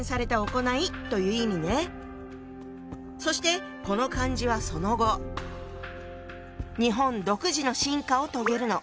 そしてこの漢字はその後日本独自の進化を遂げるの。